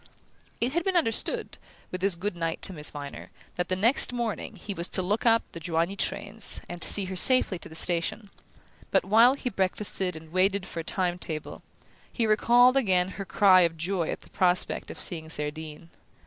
It had been understood, with his good night to Miss Viner, that the next morning he was to look up the Joigny trains, and see her safely to the station; but, while he breakfasted and waited for a time table, he recalled again her cry of joy at the prospect of seeing Cerdine.